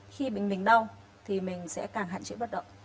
khi bệnh mình đau thì mình sẽ càng hạn chế vận động